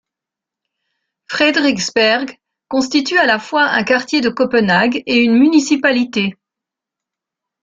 Frederiksberg constitue à la fois un quartier de Copenhague et une municipalité.